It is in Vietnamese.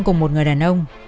cùng một người đàn ông